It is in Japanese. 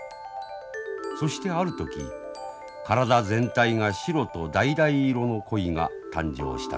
そしてある時体全体が白とだいだい色の鯉が誕生したのです。